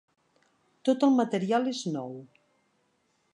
Tot el material és nou.